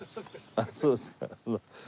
あっそうですか。